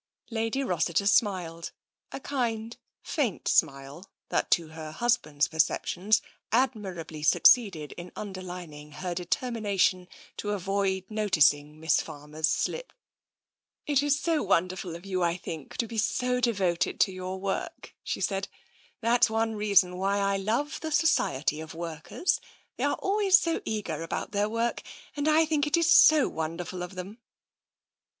Lady Rossiter smiled — a kind, faint smile, that, to her husband's perceptions, admirably succeeded in un derlining her determination to avoid noticing Miss Farmer's slip. " It's so wonderful of you, I think, to be so devoted to your work," she said. " That is one reason why I love the society of workers. They are always so eager about their work, and I think it is so wonderful of them."